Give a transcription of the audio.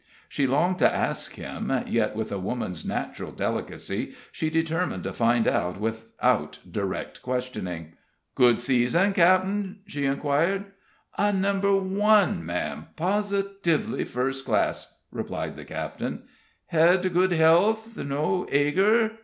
She longed to ask him, yet, with a woman's natural delicacy, she determined to find out without direct questioning. "Good season, cap'en?" she inquired. "A No. 1, ma'am positively first class," replied the captain. "Hed good health no ager?"